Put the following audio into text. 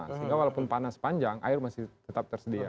sehingga walaupun panas panjang air masih tetap tersedia